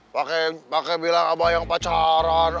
pakai bilang apa yang pacaran